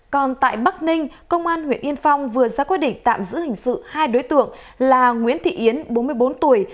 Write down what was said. còn tại bắc ninh công an huyện yên phong vừa ra quyết định tạm giữ hình sự hai đối tượng là nguyễn thị yến bốn mươi bốn tuổi